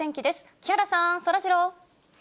木原さん、そらジロー。